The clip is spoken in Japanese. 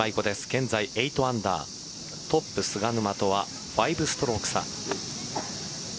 現在、８アンダートップ菅沼とは５ストローク差。